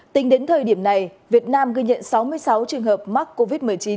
tính đến thời điểm này việt nam ghi nhận sáu mươi sáu trường hợp mắc covid một mươi chín